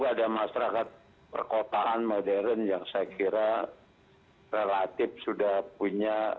ada masyarakat perkotaan modern yang saya kira relatif sudah punya